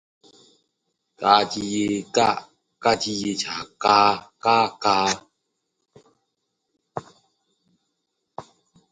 Swollen by the rain, the Alban lake rose in flood and drowned his palace.